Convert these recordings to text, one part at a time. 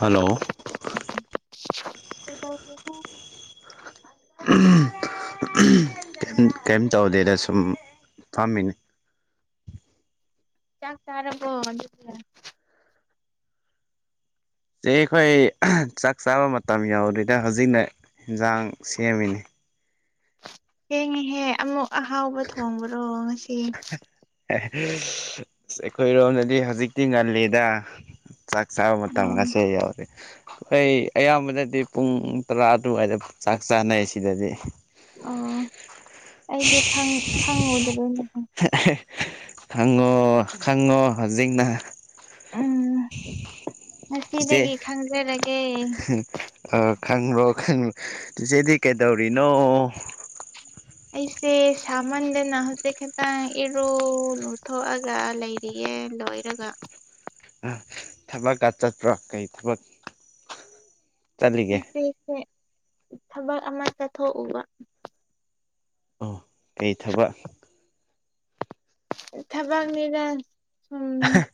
hello ꯀꯩꯗꯧꯔꯤꯒꯦ ꯎꯝ ꯎꯝ ꯀꯩꯝ ꯀꯩꯝ ꯇꯧꯗꯦꯗ ꯁꯨꯝ ꯐꯝꯃꯤꯅꯤ ꯆꯥꯛ ꯆꯥꯔꯕꯣ ꯑꯗꯨꯒ ꯆꯦ ꯑꯩꯈꯣꯏ ꯆꯥꯛ ꯆꯥꯕ ꯃꯇꯝ ꯌꯧꯗꯔꯤꯗ ꯍꯧꯖꯤꯛꯅ ꯏꯟꯖꯥꯡ ꯁꯦꯝꯃꯤꯅꯤ ꯊꯦꯡꯉꯤꯍꯦ ꯑꯃꯨꯛ ꯑꯍꯥꯎꯕ ꯊꯣꯡꯕ꯭ꯔꯣ ꯉꯁꯤ ꯑꯁ ꯑꯩꯈꯣꯏꯔꯣꯝꯗꯗꯤ ꯍꯧꯖꯤꯛꯇꯤ ꯉꯜꯂꯤꯗ ꯆꯥꯛ ꯆꯥꯕ ꯑꯣ ꯃꯇꯝꯒꯥꯁꯦ ꯌꯧꯗꯤ ꯑꯩꯈꯣꯏ ꯑꯌꯥꯝꯕꯅꯗꯤ ꯄꯨꯡ ꯇꯔꯥ ꯑꯗꯨꯋꯥꯏꯗ ꯆꯥꯛ ꯆꯥꯅꯩ ꯁꯤꯗꯗꯤ ꯑꯣ ꯑꯩꯗꯤ ꯈꯪ ꯈꯪꯉꯨꯗ꯭ꯔꯦꯅꯦꯍꯦ ꯈꯪꯉꯣ ꯈꯪꯉꯣ ꯍꯧꯖꯤꯛꯅ ꯎꯝ [inaudible] ꯉꯁꯤꯗꯒꯤ ꯈꯪꯖꯔꯒꯦ ꯑꯣ ꯈꯪꯔꯣ ꯈꯪꯔꯣ ꯆꯤꯆꯦꯗꯤ ꯀꯩꯗꯧꯔꯤꯅꯣ ꯑꯩꯁꯦ ꯁꯥꯃꯟꯗꯅ ꯍꯧꯖꯤꯛ ꯈꯤꯇꯪ ꯏꯔꯨ ꯂꯨꯊꯣꯛꯑꯒ ꯂꯩ ꯔꯤꯌꯦ ꯂꯣꯏꯔꯒ ꯑꯥ ꯊꯕꯛꯀ ꯆꯠꯄ꯭ꯔꯣ ꯀꯔꯤ ꯊꯕꯛ ꯆꯠꯂꯤꯒꯦ ꯉꯁꯤꯁꯦ ꯊꯕꯛ ꯑꯃ ꯆꯠꯊꯣꯛꯎꯕ ꯑꯣ ꯀꯩ ꯊꯕꯛ ꯊꯕꯛꯅꯤꯗ ꯁꯨꯝ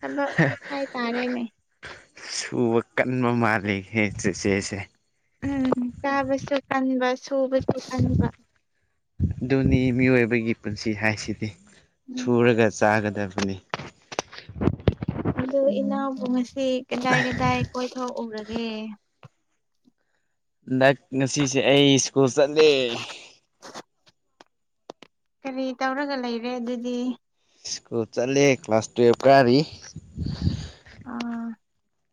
ꯊꯕꯛ ꯍꯥꯏꯇꯥꯔꯦꯅꯦ ꯁꯨꯕ ꯀꯟꯕ ꯃꯥꯜꯂꯤ ꯍꯦ ꯆꯦꯆꯦꯁꯦ ꯎꯝ ꯆꯥꯕꯁꯨ ꯀꯟꯕ ꯁꯨꯕꯁꯨ ꯀꯟꯕ ꯑꯗꯨꯅꯤ ꯃꯤꯑꯣꯏꯕꯒꯤ ꯄꯨꯟꯁꯤ ꯍꯥꯏꯁꯤꯗꯤ ꯎꯝ ꯁꯨꯔꯒ ꯆꯥꯒꯗꯕꯅꯤ ꯑꯗꯨ ꯏꯅꯥꯎꯕꯨ ꯉꯁꯤ ꯀꯗꯥꯏ ꯀꯗꯥꯏ ꯀꯣꯏꯊꯣꯛꯎꯔꯒꯦ ꯍꯟꯗꯛ ꯉꯁꯤꯁꯦ ꯑꯩ ꯁ꯭ꯀꯨꯜ ꯆꯠꯂꯦ ꯀꯔꯤ ꯇꯧꯔꯒ ꯂꯩꯔꯦ ꯑꯗꯨꯗꯤ ꯁ꯭ꯀꯨꯜ ꯆꯠꯂꯦ ꯀ꯭ꯂꯥꯁ ꯇꯨꯌꯦꯜꯐ ꯀꯥꯔꯤ ꯑꯥ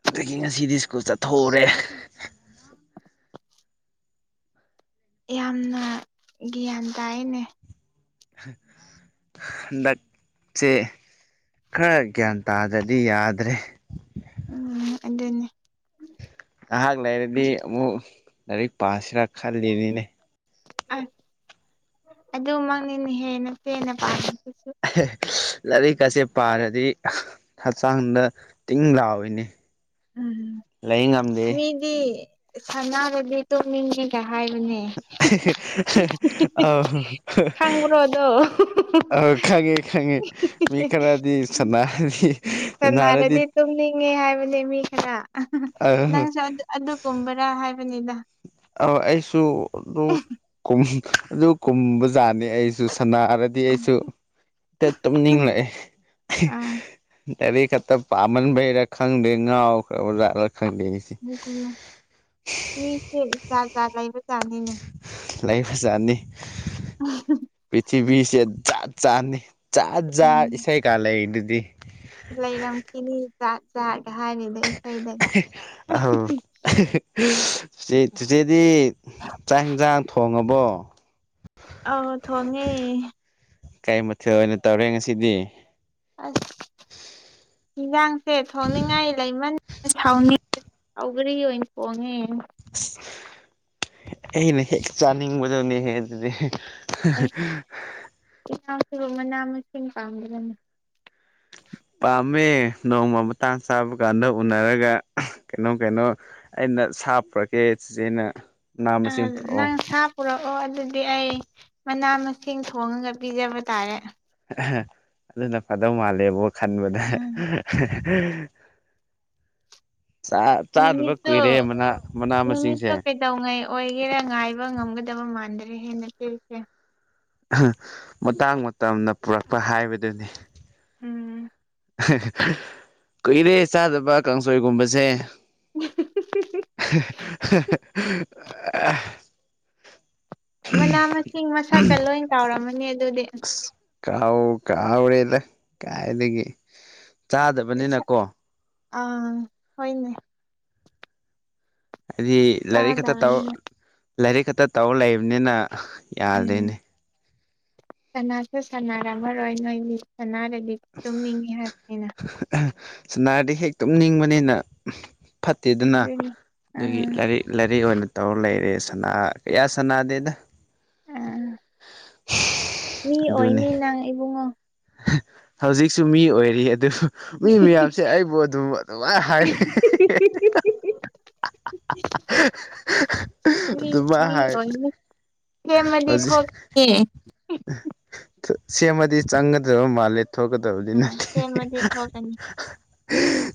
ꯑꯗꯒꯤ ꯉꯁꯤꯗꯤ ꯁ꯭ꯀꯨꯜ ꯆꯠꯊꯣꯛꯎꯔꯦ ꯌꯥꯝꯅ ꯒ꯭ꯌꯥꯟ ꯇꯥꯏꯌꯦꯅꯦ ꯍꯟꯗꯛ ꯆꯦ ꯈꯔ ꯒ꯭ꯌꯥꯟ ꯇꯥꯗ꯭ꯔꯗꯤ ꯌꯥꯗ꯭ꯔꯦ ꯎꯝ ꯑꯗꯨꯅꯤ ꯉꯍꯥꯛ ꯂꯩꯔꯗꯤ ꯑꯃꯨꯛ ꯂꯥꯏꯔꯤꯛ ꯄꯥꯁꯤꯔꯥ ꯈꯜꯂꯤꯅꯤꯅꯦ ꯑꯁ ꯑꯗꯨꯃꯛꯅꯤꯅꯦꯍꯦ ꯅꯆꯦꯅ ꯄꯥꯝꯃꯤꯁꯤꯁꯨ ꯑꯍꯦ ꯂꯥꯏꯔꯤꯛꯀꯥꯁꯦ ꯄꯥꯔꯗꯤ ꯍꯛꯆꯥꯡꯗ ꯇꯤꯡ ꯂꯥꯎꯏꯅꯦ ꯂꯩ ꯉꯝꯗꯦ ꯑꯩꯗꯤ ꯁꯅꯥꯔꯗꯤ ꯇꯣꯛꯅꯤꯡꯉꯦꯒ ꯍꯥꯏꯕꯅꯦ ꯑꯧ ꯈꯪꯕꯔꯣ ꯑꯗꯣ ꯑꯥ ꯈꯪꯉꯦ ꯈꯪꯉꯦ ꯃꯤ ꯈꯔꯗꯤ ꯁꯅꯥꯔꯤ ꯁꯅꯥꯔꯗꯤ ꯇꯨꯝꯅꯤꯡꯉꯦ ꯍꯥꯏꯕꯅꯦ ꯃꯤ ꯈꯔ ꯑꯍꯥ ꯍꯥ ꯑ ꯅꯪꯁꯨ ꯑꯗꯨ ꯑꯗꯨꯒꯨꯝꯕꯔ ꯍꯥꯏꯕꯅꯤꯗ ꯑ ꯑꯩꯁꯨ ꯑꯗꯨ ꯀꯨꯝ ꯑꯗꯨ ꯀꯨꯝꯕꯖꯥꯅꯤ ꯑꯩꯖꯨ ꯁꯅꯥꯔ ꯗꯤ ꯑꯩꯁꯨ ꯇ ꯇꯨꯝꯅꯤꯡꯂꯛꯑꯦ ꯑꯥ ꯂꯥꯏꯔꯤ ꯈꯛꯇ ꯄꯥꯕꯟꯕꯩꯔ ꯈꯪꯗꯦ ꯉꯥꯎꯈꯔꯕ ꯖꯥꯠꯂ ꯈꯪꯗꯦ ꯑꯩꯁꯦ ꯎꯝ ꯃꯤꯁꯦ ꯖꯥꯠ ꯖꯥꯠ ꯂꯩꯕ ꯖꯥꯠꯅꯤꯅꯦ ꯂꯩꯕ ꯖꯥꯠꯅꯤ ꯎꯝꯍꯨꯝ ꯄꯤꯊꯤꯕꯤꯁꯦ ꯖꯥꯠ ꯖꯥꯠꯅꯤ ꯖꯥꯠ ꯖꯥꯠ ꯎꯝ ꯏꯁꯩ ꯀꯥ ꯂꯩꯔꯤꯗꯨꯗꯤ ꯂꯩꯔꯝꯈꯤꯅꯤ ꯖꯥꯠ ꯖꯥꯠꯒ ꯍꯥꯏꯔꯤꯗꯣ ꯏꯁꯩꯗꯒ ꯑꯍ ꯆꯦ ꯆꯤꯆꯦꯗꯤ ꯆꯥꯛ ꯏꯟꯖꯥꯡ ꯊꯣꯡꯉꯕꯣ ꯑꯧ ꯊꯣꯡꯉꯦ ꯀꯩ ꯃꯊꯦꯜ ꯑꯣꯏꯅ ꯇꯧꯔꯦ ꯉꯁꯤꯗꯤ ꯑꯁ ꯏꯟꯖꯥꯡꯁꯦ ꯊꯣꯡꯅꯤꯡꯉꯥꯏ ꯂꯩꯃꯟ ꯍꯥꯎꯅꯤ ꯁꯧꯒ꯭ꯔꯤ ꯑꯣꯏꯅ ꯊꯣꯡꯉꯦ ꯑꯩꯅ ꯍꯦꯛ ꯆꯥꯅꯤꯡꯕꯗꯨꯅꯦꯍꯦ ꯑꯗꯨꯗꯤ ꯑꯦ ꯏꯅꯥꯎꯁꯨ ꯃꯅꯥ ꯃꯁꯤꯡ ꯄꯥꯝꯕꯔꯣꯅꯦ ꯄꯥꯝꯃꯦ ꯅꯣꯡꯃ ꯃꯇꯥꯡ ꯆꯥꯕ ꯀꯥꯟꯗ ꯎꯅꯔꯒ ꯀꯩꯅꯣꯝꯀꯩꯅꯣ ꯑꯩꯅ ꯁꯥ ꯄꯨꯔꯛꯀꯦ ꯆꯤꯆꯦꯅ ꯃꯅꯥ ꯑ ꯃꯁꯤꯡ ꯄꯨꯔꯛꯑꯣ ꯅꯪ ꯁꯥ ꯄꯨꯔꯛꯑꯣ ꯑꯗꯨꯗꯤ ꯑꯩ ꯃꯅꯥ ꯃꯁꯤꯡ ꯊꯣꯡꯉꯒ ꯄꯤꯖꯕ ꯇꯥꯔꯦ ꯑꯍ ꯑꯗꯨꯅ ꯐꯗꯧ ꯃꯥꯜꯂꯦꯕꯣ ꯈꯟꯕꯗ ꯍꯦ ꯎꯝ ꯍꯍ ꯍ ꯆꯥ ꯆꯥꯗꯕ ꯅꯨꯃꯤꯠꯇꯣ ꯀꯨꯏꯔꯦ ꯃꯅꯥ ꯃꯅꯥ ꯃꯁꯤꯡꯁꯦ ꯗꯧꯉꯩ ꯑꯣꯏꯒꯦꯔꯥ ꯉꯥꯏꯕ ꯉꯝꯒꯗꯕ ꯃꯥꯟꯗ꯭ꯔꯦꯍꯦ ꯅꯆꯦꯁꯦ ꯑꯍ ꯃꯇꯥꯡ ꯃꯇꯝꯅ ꯄꯨꯔꯛꯄ ꯍꯥꯏꯕꯗꯨꯅꯤ ꯎꯝ ꯑꯍ ꯍ ꯀꯨꯏꯔꯦ ꯆꯥꯗꯕ ꯀꯥꯡꯁꯣꯏꯒꯨꯝꯕꯁꯦ ꯍ ꯍ ꯍꯍ ꯑꯥ ꯃꯅꯥ ꯃꯁꯤꯡ ꯃꯁꯛꯀ ꯂꯣꯏ ꯀꯥꯎꯔꯝꯃꯅꯤ ꯑꯗꯨꯗꯤ ꯀꯥꯎ ꯀꯥꯎꯔꯦꯗ ꯀꯥꯏꯗꯒꯤ ꯆꯥꯗꯕꯅꯤꯅ ꯀꯣ ꯑꯥ ꯍꯣꯏꯅꯦ ꯑꯩꯗꯤ ꯂꯥꯏꯔꯤꯛ ꯈꯛꯇ ꯇꯧ ꯆꯥꯗꯕꯅꯤꯅ ꯂꯥꯏꯔꯤꯛ ꯈꯛꯇ ꯇꯧꯔ ꯂꯩꯕꯅꯤꯅ ꯎꯝ ꯌꯥꯗ꯭ꯔꯦꯅꯦ ꯁꯅꯥꯁꯨ ꯁꯅꯥꯔꯝꯃꯔꯣꯏ ꯅꯣꯏꯒꯤ ꯁꯥꯅꯥꯔꯗꯤ ꯇꯨꯝꯅꯤꯡꯉꯤ ꯍꯥꯏꯕꯅꯤꯅ ꯑ ꯁꯅꯥꯔꯗꯤ ꯍꯦꯛ ꯇꯨꯝꯅꯤꯡꯕꯅꯤꯅ ꯐꯠꯇꯦꯗꯅ ꯑꯗꯨꯅꯤ ꯑꯗꯨꯒꯤ ꯑꯥ ꯂꯥꯏꯔꯤꯛ ꯂꯥꯏꯔꯤꯛ ꯑꯣꯏꯅ ꯇꯧꯔ ꯂꯩꯔꯦ ꯁꯅꯥ ꯀꯌꯥ ꯁꯅꯥꯗꯦꯗ ꯑ ꯃꯤ ꯑꯣꯏꯅꯤ ꯅꯪ ꯏꯕꯨꯡꯉꯣ ꯍ ꯍꯧꯖꯤꯛꯁꯨ ꯃꯤ ꯑꯣꯏꯔꯤ ꯑꯗꯨ ꯃꯤ ꯃꯌꯥꯝꯁꯦ ꯑꯩꯕꯨ ꯑꯗꯨꯝ ꯑꯗꯨꯃꯥꯏ ꯍꯥꯏ ꯍꯦ ꯍꯦ ꯍꯦ ꯍꯦ ꯃꯤ ꯑꯗꯨꯃꯥꯏ ꯃꯤ ꯍꯥꯏꯅꯦ ꯑꯣꯏꯅꯤ ꯁꯦꯝꯃꯗꯤ ꯊꯣꯛ ꯏ ꯁꯦꯝꯃꯗꯤ ꯆꯪꯒꯗꯕ ꯃꯥꯜꯂꯦ ꯊꯣꯛꯀꯗꯕꯗꯤ ꯑꯥ ꯅꯠꯇꯦ ꯁꯦꯝꯃꯗꯤ ꯊꯣꯛꯀꯅꯤ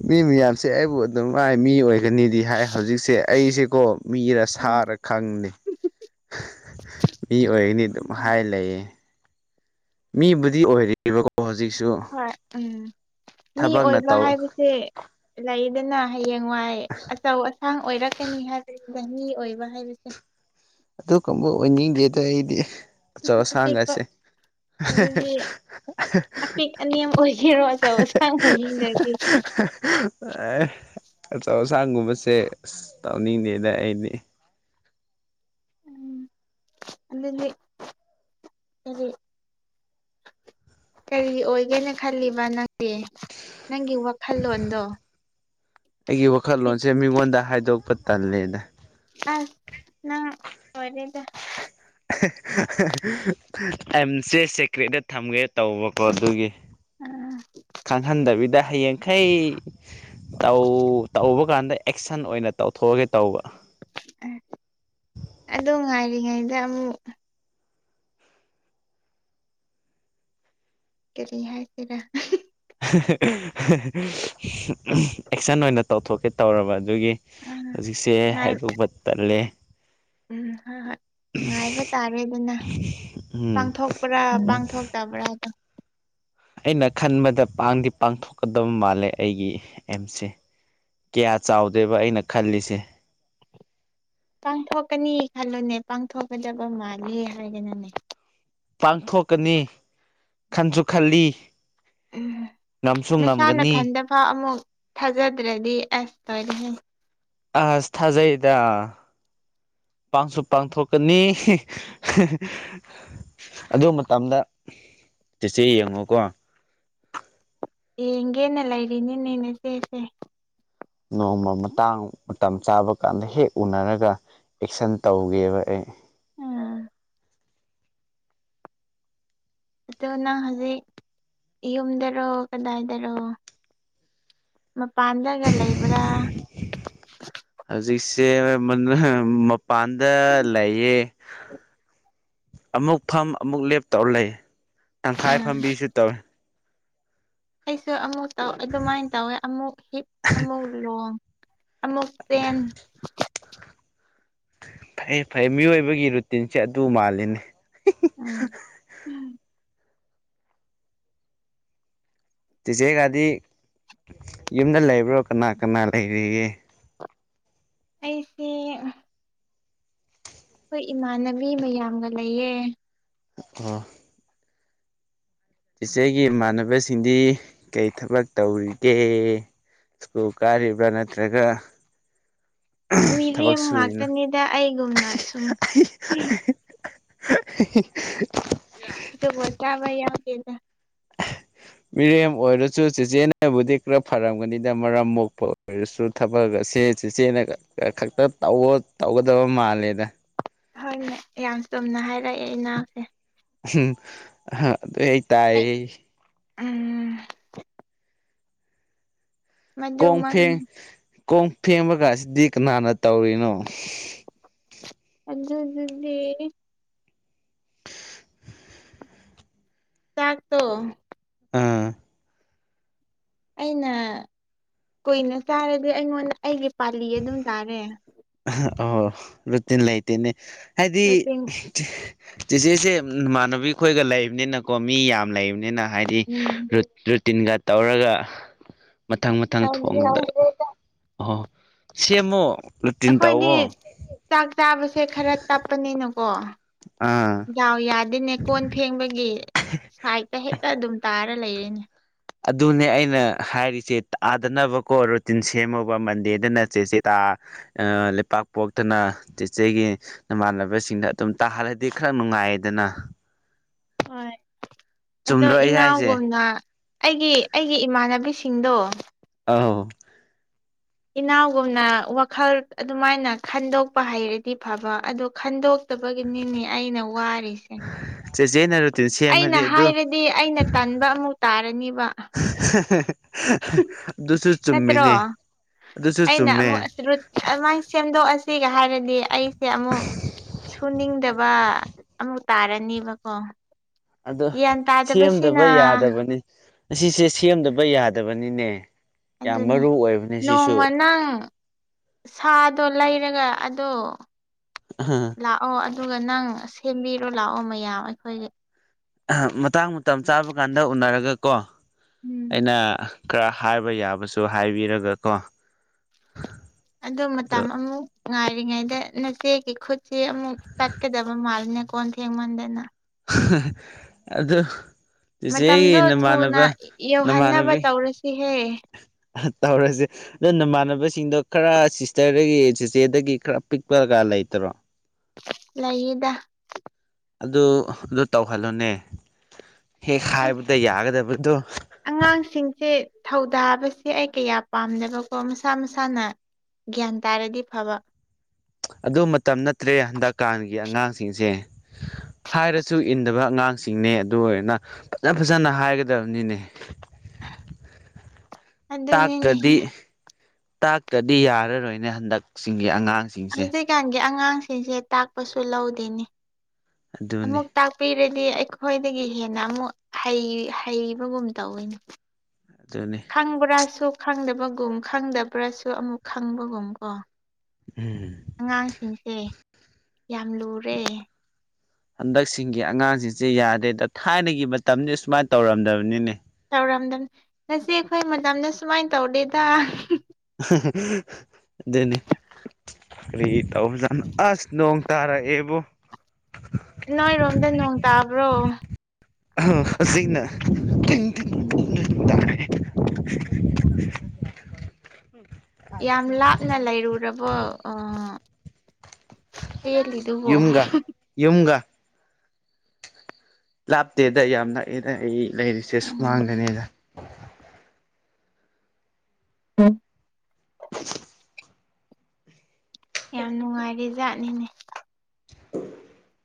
ꯃꯤ ꯃꯌꯥꯝꯁꯦ ꯑꯩꯕꯨ ꯑꯗꯨꯝꯃꯥꯏ ꯃꯤ ꯑꯣꯏ ꯒꯅꯤꯗꯤ ꯍꯥꯏ ꯍꯧꯖꯤꯛꯁꯦ ꯑꯩꯁꯦꯀꯣ ꯃꯤꯔ ꯎꯝ ꯁꯥꯔ ꯈꯪꯗꯦ ꯃꯤ ꯑꯣꯏꯒꯅꯤ ꯑꯗꯨꯝ ꯍꯥꯏ ꯂꯩꯌꯦ ꯃꯤꯕꯨꯗꯤ ꯑꯣꯏꯔꯤꯕꯀꯣ ꯍꯧꯖꯤꯛꯁꯨ ꯍꯣꯏ ꯎꯝ ꯃꯤ ꯊꯕꯛꯅ ꯑꯣꯏꯕ ꯇꯧ ꯍꯥꯏꯕꯁꯦ ꯂꯩꯗꯅ ꯍꯌꯦꯡꯋꯥꯏ ꯑꯆꯧ ꯑꯁꯥꯡ ꯑꯣꯏꯔꯛꯀꯅꯤ ꯍꯥꯏꯕꯁꯤꯗ ꯃꯤ ꯑꯣꯏꯕ ꯍꯥꯏꯕꯁꯦ ꯑꯗꯨ ꯀꯥꯡꯕꯨ ꯑꯣꯏꯅꯤꯡꯗꯦꯗ ꯑꯩꯗꯤ ꯑꯆꯧ ꯑꯄꯤꯛꯄ ꯑꯁꯥꯡꯒꯁꯦ ꯑꯗꯨꯗꯤ ꯑꯄꯤꯛ ꯑꯅꯦꯝ ꯑꯣꯏꯒꯦꯔꯣ ꯑꯆꯧ ꯑꯁꯥꯡ ꯑꯣꯏꯅꯤꯡꯗꯔꯗꯤ ꯍ ꯍ ꯍ ꯑꯦ ꯑꯆꯧ ꯑꯁꯥꯡꯒꯨꯝꯕꯁꯦ ꯑꯁ ꯇꯧꯅꯤꯡꯗꯦꯗ ꯑꯩꯗꯤ ꯎꯝ ꯑꯗꯨꯗꯤ ꯀꯔꯤ ꯀꯔꯤ ꯑꯣꯏꯒꯦꯅ ꯈꯜꯂꯤꯕ ꯅꯪꯗꯤ ꯅꯪꯒꯤ ꯋꯥꯈꯜꯂꯣꯟꯗꯣ ꯑꯩꯒꯤ ꯋꯥꯈꯜꯂꯣꯟꯁꯦ ꯃꯤꯉꯣꯟꯗ ꯍꯥꯏꯗꯣꯛꯄ ꯇꯜꯂꯦꯗ ꯑꯥ ꯅꯪ ꯂꯣꯏꯔꯦꯗ ꯑꯦꯝꯁꯦ ꯁꯦꯀ꯭ꯔꯦꯠꯇ ꯊꯝꯒꯦ ꯇꯧꯕꯀꯣ ꯑꯗꯨꯒꯤ ꯑꯥ ꯈꯪꯍꯟꯗꯕꯤꯗ ꯍꯌꯦꯡꯈꯩ ꯇꯧꯕ ꯀꯥꯟꯗ ꯑꯦꯛꯁꯟ ꯑꯣꯏꯅ ꯇꯧꯊꯣꯛꯑꯒꯦ ꯇꯧꯕ ꯑꯗꯨ ꯉꯥꯏꯔꯤꯉꯩꯗ ꯑꯃꯨꯛ ꯀꯔꯤ ꯍꯥꯏꯁꯤꯔꯥ ꯑꯦꯛꯁꯟ ꯑꯣꯏꯅ ꯇꯧꯊꯣꯛꯀꯦ ꯇꯧꯔꯕ ꯑꯗꯨꯒꯤ ꯍꯧꯖꯤꯛꯁꯦ ꯉꯥꯏ ꯍꯥꯏꯗꯣꯛꯄ ꯇꯜꯂꯦ ꯎꯝ ꯉꯥꯏꯕ ꯇꯥꯔꯦꯗꯥꯅꯥ ꯎꯝ ꯄꯥꯡꯊꯣꯛꯄ꯭ꯔꯥ ꯄꯥꯡꯊꯣꯛꯇꯕ꯭ꯔꯥꯗꯣ ꯑꯩꯅ ꯈꯟꯕꯗ ꯄꯥꯡ ꯗꯤ ꯄꯥꯡꯊꯣꯛꯀꯗꯕ ꯃꯥꯜꯂꯦ ꯑꯩꯒꯤ ꯑꯦꯝꯁꯦ ꯀꯌꯥ ꯆꯥꯎꯗꯦꯕ ꯑꯩꯅ ꯈꯜꯂꯤꯁꯦ ꯄꯥꯡꯊꯣꯛꯀꯅꯤ ꯈꯜꯂꯨꯅꯦ ꯄꯥꯡꯊꯣꯛꯀꯗꯕ ꯃꯥꯂꯦ ꯍꯥꯏꯒꯅꯨꯅꯦ ꯄꯥꯡꯊꯣꯛꯀꯅꯤ ꯈꯟꯁꯨ ꯈꯜꯂꯤ ꯉꯝꯁꯨ ꯉꯝꯒꯅꯤ ꯍꯥ ꯑꯃꯨꯛ ꯊꯥꯖꯗ꯭ꯔꯗꯤ ꯑꯁ ꯇꯣꯏꯔꯦ ꯍꯦ ꯑꯁ ꯊꯥꯖꯩꯗ ꯄꯥꯡꯁꯨ ꯄꯥꯡꯊꯣꯛꯀꯅꯤ ꯑꯗꯨ ꯃꯇꯝꯗ ꯆꯤꯆꯦ ꯌꯦꯡꯉꯣꯀꯣ ꯌꯦꯡꯒꯦꯅ ꯂꯩꯔꯤꯅꯤꯅꯦ ꯅꯥꯆꯦꯁꯦ ꯅꯣꯡꯃ ꯃꯇꯥꯡ ꯃꯇꯝ ꯆꯥꯕ ꯀꯥꯟꯗ ꯍꯦꯛ ꯎꯅꯔꯒ ꯑꯦꯛꯁꯟ ꯇꯧꯒꯦꯕ ꯑꯩ ꯎꯝ ꯑꯗꯨ ꯅꯪ ꯍꯧꯖꯤꯛ ꯌꯨꯝꯗꯔꯣ ꯀꯗꯥꯏꯗꯔꯣ ꯃꯄꯥꯟꯗꯒ ꯂꯩꯕ꯭ꯔꯥ ꯍꯧꯖꯤꯛꯁꯦ ꯃꯄꯥꯟꯗ ꯂꯩꯌꯦ ꯑꯃꯨꯛ ꯐꯝ ꯑꯃꯨꯛ ꯂꯦꯞ ꯇꯧꯔꯥ ꯂꯩꯑꯦ ꯇꯪꯈꯥꯏ ꯎꯝ ꯐꯝꯕꯤꯁꯨ ꯇꯧꯏ ꯑꯩꯁꯨ ꯑꯃꯨꯛ ꯑꯗꯨꯃꯥꯏꯅ ꯇꯧꯋꯦ ꯑꯃꯨꯛ ꯍꯤꯞ ꯑꯃꯨꯛ ꯂꯣꯡ ꯑꯃꯨꯛ ꯆꯦꯟ ꯐꯩꯑ ꯐꯩꯑ ꯃꯤꯑꯣꯏꯕꯒꯤ ꯔꯨꯇꯤꯟꯁꯦ ꯑꯗꯨ ꯃꯥꯜꯂꯤꯅꯦ ꯎꯝ ꯇꯦꯆꯦꯒꯥꯗꯤ ꯌꯨꯝꯗ ꯂꯩꯕ꯭ꯔꯣ ꯀꯅꯥ ꯀꯅꯥ ꯂꯩꯔꯤꯒꯦ ꯑꯩꯁꯦ ꯑꯩꯈꯣꯏ ꯏꯃꯥꯟꯅꯕꯤ ꯃꯌꯥꯝꯒ ꯂꯩꯌꯦ ꯑꯣ ꯏꯆꯦꯒꯤ ꯏꯃꯥꯟꯅꯕꯁꯤꯡꯗꯤ ꯀꯔꯤ ꯊꯕꯛ ꯇꯧꯔꯤꯒꯦ ꯨ ꯁꯀꯨꯜ ꯀꯔꯤꯕꯔꯥ ꯅꯠꯇ꯭ꯔꯒ ꯊꯕꯛ ꯃꯤꯔꯦꯝ ꯁꯨꯔꯤꯅꯣ ꯉꯥꯛꯇꯅꯤꯗ ꯑꯩꯒꯨꯝꯅ ꯁꯨꯝ [unintelligible] ꯖꯨꯒꯣꯠ ꯆꯥꯕ ꯌꯧ ꯗꯦꯗ ꯃꯤꯔꯦꯝ ꯑꯣꯏꯔꯁꯨ ꯆꯦꯆꯦꯅꯕꯨꯗꯤ ꯈꯔ ꯐꯔꯝꯒꯅꯤꯗ ꯃꯔꯝ ꯃꯣꯛꯄ ꯑꯣꯏꯔꯁꯨ ꯊꯕꯛꯑꯁꯦ ꯆꯦꯆꯦꯅ ꯈꯛꯇ ꯇ ꯇꯧꯒꯗꯕ ꯃꯥꯜꯂꯦꯗ ꯍꯣꯏꯅꯦ ꯌꯥꯝ ꯆꯨꯝꯅ ꯍꯥꯏꯔꯛꯑꯦ ꯏ ꯅꯥꯎꯁꯦ [unintelligible] ꯎꯝ ꯍ [unintelligible] ꯇꯥꯏ ꯎꯝ ꯀꯣꯡ ꯐꯦꯡ ꯃꯗꯨꯃꯛꯅꯤ ꯀꯣꯡ ꯐꯦꯡꯕꯒꯁꯤꯗꯤ ꯀꯅꯥꯅ ꯇꯧꯔꯤꯅꯣ ꯑꯗꯨ ꯑꯗꯨꯗꯤ ꯆꯥꯛꯇꯣ ꯑꯥ ꯑꯩꯅ ꯀꯨꯏꯅ ꯆꯥꯔꯗꯤ ꯑꯩꯉꯣꯟꯗ ꯑꯩꯒꯤ ꯄꯥꯜꯂꯤ ꯑꯗꯨꯝ ꯇꯥꯔꯦ ꯑꯍ ꯑꯣ ꯔꯨꯇꯤꯟ ꯂꯩꯇꯦꯅꯦ ꯍꯥꯏꯗꯤ ꯔꯨꯇꯤꯟ ꯆꯦꯆꯦꯁꯦ ꯏꯃꯥꯟꯅꯕꯤꯈꯣꯏꯒ ꯂꯩꯕꯅꯤꯅꯀꯣ ꯃꯤ ꯌꯥꯝ ꯂꯩꯕꯅꯤꯅ ꯍꯥꯏ ꯏ ꯎꯝ ꯔꯨꯠ ꯔꯨꯠꯇꯤꯟꯒ ꯇꯧꯔꯒ ꯃꯊꯪ ꯃꯊꯪ ꯊꯣꯡꯕꯗ ꯇꯧꯗ꯭ꯔꯦꯗ ꯑꯣꯍꯣꯍꯣ ꯁꯦꯝꯃꯣ ꯔꯨꯠꯇꯤꯟ ꯑꯩꯈꯣꯏꯗꯤ ꯇꯧꯋꯣ ꯆꯥꯛ ꯆꯥꯕꯁꯦ ꯈꯔ ꯇꯞꯄꯅꯤꯅꯀꯣ ꯑ ꯌꯥꯎ ꯌꯥꯗꯦꯅꯦ ꯀꯣꯟ ꯐꯦꯡꯕꯒꯤ ꯁꯥꯏꯠꯇ ꯍꯦꯛꯇ ꯑꯗꯨꯝ ꯇꯥꯔ ꯂꯩꯔꯦꯅꯦ ꯑꯗꯨꯅꯦ ꯑꯩꯅ ꯍꯥꯏꯔꯤꯆꯦ ꯇꯥꯗꯅꯕꯀꯣ ꯔꯨꯇꯤꯟ ꯁꯦꯝꯃꯣꯕ ꯃꯟꯗꯦꯗꯅ ꯆꯦꯆꯦ ꯇ ꯑ ꯂꯩꯄꯥꯛꯄꯣꯛꯇꯅ ꯆꯤꯆꯦꯒꯤ ꯅꯃꯥꯟꯅꯕꯁꯤꯡꯗ ꯑꯗꯨꯝ ꯇꯥꯍꯜꯂꯗꯤ ꯈꯔ ꯅꯨꯡꯉꯥꯏꯗꯅ ꯍꯣꯏ ꯑꯗꯣ ꯆꯨꯝꯗ꯭ꯔꯣ ꯑꯩ ꯍꯥꯏꯁꯦ ꯏꯅꯥꯎꯒꯨꯝꯅ ꯑꯩꯒꯤꯑꯩꯒꯤ ꯏꯃꯥꯟꯅꯕꯤꯁꯤꯡꯗꯣ ꯑꯥꯎ ꯏꯅꯥꯎꯒꯨꯝꯅ ꯋꯥꯈꯜ ꯑꯗꯨꯃꯥꯏꯅ ꯈꯟꯗꯣꯛꯄ ꯍꯩꯔꯗꯤ ꯐꯕ ꯑꯗꯣ ꯈꯟꯗꯣꯛ ꯇꯕꯒꯤꯅꯤꯅꯦ ꯑꯩꯅ ꯋꯥꯔꯤꯁꯦ ꯆꯦꯆꯦꯅꯔ ꯑꯩꯅ ꯍꯥꯏꯔꯗꯤ ꯑꯩꯅ ꯇꯟꯕ ꯑꯃꯨꯛ ꯇꯥꯔꯅꯤꯕ ꯑꯗꯨꯁꯨ ꯅꯠꯇ꯭ꯔꯣ ꯆꯨꯝꯃꯦꯅꯦ ꯑꯗꯨꯁꯨ ꯑꯩꯅ ꯆꯨꯝꯃꯦ ꯑꯃꯨꯛ ꯔꯨꯠ ꯑꯗꯨꯃꯥꯏꯅ ꯁꯦꯝꯗꯣꯛ ꯑꯁꯤꯒ ꯍꯥꯏꯔꯗꯤ ꯑꯩꯁꯦ ꯑꯃꯨꯛ ꯁꯨꯅꯤꯡꯗꯕ ꯑꯃꯨꯛ ꯇꯥꯔꯅꯤꯕꯀꯣ ꯑꯗꯣ ꯒ꯭ꯌꯥꯟ ꯇꯥꯗꯕꯁꯤꯅ ꯁꯦꯝꯗꯕ ꯌꯥꯗꯕꯅꯤ ꯑꯁꯤꯁꯦ ꯁꯦꯝꯗꯕ ꯌꯥꯗꯕꯅꯤꯅꯦ ꯌꯥꯝ ꯑꯗꯨꯅꯦ ꯃꯔꯨ ꯑꯣꯏꯕꯅꯦ ꯁꯤꯁꯨ ꯅꯣꯡꯃ ꯅꯪ ꯁꯥꯗꯣ ꯂꯩꯔꯒ ꯑꯗꯣ ꯑꯥ ꯂꯥꯛꯑꯣ ꯑꯗꯨꯒ ꯅꯪ ꯁꯦꯝꯕꯤꯔꯣ ꯂꯥꯛꯑꯣ ꯃꯌꯥꯝ ꯑꯩꯈꯣꯏꯒꯤ ꯑꯍ ꯃꯇꯥꯡ ꯃꯇꯝ ꯆꯥꯕꯀꯥꯟꯗ ꯎꯅꯔꯒꯀꯣ ꯎꯝ ꯑꯩꯅ ꯈꯔ ꯍꯥꯏꯕ ꯌꯥꯕꯁꯨ ꯍꯥꯏꯕꯤꯔꯒꯀꯣ ꯑꯗꯣ ꯃꯇꯝ ꯑꯃꯨꯛ ꯉꯥꯏꯔꯤꯉꯩꯗ ꯅꯆꯦꯒꯤ ꯈꯨꯠꯁꯦ ꯑꯃꯨꯛ ꯇꯠꯀꯗꯕ ꯃꯥꯜꯂꯤꯅꯦ ꯀꯣꯟ ꯐꯦꯡꯃꯟꯗꯅ ꯑꯗꯨ ꯆꯤꯆꯦꯒꯤ ꯃꯇꯝꯗꯣ ꯅꯃꯥꯟꯅꯕ ꯅꯃꯥꯟꯅꯕꯤ ꯔꯁꯤ ꯍꯦ ꯇꯧꯔꯖꯦ ꯗꯣ ꯅꯃꯥꯟꯅꯕꯁꯤꯡꯗꯣ ꯈꯔ ꯁꯤꯁꯇꯔꯗꯒꯤ ꯆꯤꯆꯦꯗꯒꯤ ꯈꯔ ꯄꯤꯛꯄꯒ ꯂꯩꯇꯔꯣ ꯂꯩꯌꯦꯗ ꯑꯗꯨ ꯑꯗꯨ ꯇꯧꯍꯜꯂꯣꯅꯦ ꯍꯦꯛ ꯑꯁ ꯍꯥꯏꯕꯗ ꯌꯥꯒꯗꯕꯗꯣ ꯑꯉꯥꯡꯁꯤꯡꯁꯦ ꯊꯧꯗꯥꯕꯁꯦ ꯑꯩ ꯀꯌꯥ ꯄꯥꯝꯗꯕꯀꯣ ꯃꯁꯥ ꯃꯁꯥꯅ ꯒ꯭ꯌꯥꯟ ꯇꯥꯔꯗꯤ ꯐꯕ ꯑꯗꯣ ꯃꯇꯝ ꯅꯠꯇ꯭ꯔꯦ ꯍꯟꯗꯛꯀꯥꯟꯒꯤ ꯑꯉꯥꯡꯁꯤꯡꯁꯦ ꯍꯥꯏꯔꯁꯨ ꯏꯟꯗꯕ ꯑꯉꯥꯡꯁꯤꯡꯅꯦ ꯑꯗꯨ ꯑꯣꯏꯔꯅ ꯐꯖꯐꯖꯅ ꯍꯥꯏꯒꯗꯕꯅꯤꯅꯦ ꯇꯥꯛꯇ꯭ꯔꯗꯤ ꯑꯗꯨꯅꯤꯅꯦꯍꯦ ꯇꯥꯛꯇ꯭ꯔꯗꯤ ꯌꯥꯔꯔꯣꯏꯅꯦ ꯍꯟꯗꯛꯁꯤꯡꯒꯤ ꯑꯉꯥꯡ ꯍꯧꯖꯤꯛꯀꯥꯟꯒꯤ ꯑꯉꯥꯡꯁꯤꯡꯁꯦ ꯇꯥꯛꯄꯁꯨ ꯂꯧꯗꯦꯅꯦ ꯑꯗꯨꯅꯤ ꯑꯃꯨꯛ ꯇꯥꯛꯄꯤꯔꯗꯤ ꯑꯩꯈꯣꯏꯗꯒꯤ ꯍꯦꯟꯅ ꯑꯃꯨꯛ ꯍꯩꯍꯩꯕꯒꯨꯝ ꯇꯧꯋꯤꯅꯦ ꯆꯥꯅꯤ ꯈꯪꯕ꯭ꯔꯥꯁꯨ ꯈꯪꯗꯕꯒꯨꯝ ꯈꯪꯗꯕ꯭ꯔꯥꯁꯨ ꯑꯃꯨꯛ ꯈꯪꯕꯒꯨꯝ ꯀꯣ ꯎꯝ ꯑꯉꯥꯡꯁꯤꯡꯁꯦ ꯌꯥꯝ ꯂꯨꯔꯦ ꯍꯟꯗꯛꯁꯤꯡꯒꯤ ꯑꯉꯥꯡꯖꯤꯡꯖꯦ ꯌꯥꯗ꯭ꯔꯦꯗ ꯊꯥꯏꯅꯒꯤ ꯃꯇꯝꯗꯤ ꯁꯨꯃꯥꯏ ꯇꯧꯔꯝꯗꯕꯅꯤꯅꯦ ꯇꯧꯔꯝꯗꯃꯦ ꯅꯆꯦꯈꯣꯏ ꯃꯇꯝꯅ ꯁꯨꯃꯥꯏ ꯇꯧꯗꯦꯗ ꯑꯗꯨꯅꯤ ꯀꯔꯤꯒꯤ ꯇꯧꯕꯖꯠꯅꯣ ꯑꯥꯁ ꯅꯣꯡꯇꯔꯥꯑꯦꯕꯣ ꯅꯣꯏꯔꯣꯝꯗ ꯅꯣꯡ ꯇꯥꯕ꯭ꯔꯣ [unintelligible] ꯑꯁꯤꯅ ꯎꯝ [unintelligible] ꯌꯥꯝ ꯂꯥꯞꯅ ꯂꯩꯔꯨꯔꯕꯣ ꯑ ꯄꯦꯜꯂꯤꯗꯨꯕꯣ ꯌꯨꯝꯒ ꯌꯨꯝꯒ ꯂꯥꯞꯇꯦꯗ ꯌꯥꯝ ꯅꯛꯑꯦꯗ ꯑꯩ ꯂꯩꯔꯤꯁꯦ ꯎꯝ ꯁꯨꯃꯥꯡꯗꯅꯦꯗ [unintelligible] [unintelligible] ꯌꯥꯝ ꯅꯨꯡꯉꯥꯏꯔꯦ ꯖꯥꯠꯅꯤꯅꯦ [unintelligible]